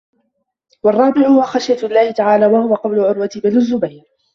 وَالرَّابِعُ هُوَ خَشْيَةُ اللَّهِ تَعَالَى وَهُوَ قَوْلُ عُرْوَةَ بْنِ الزُّبَيْرِ